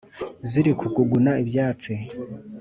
ziri kuguguna ibyatsi.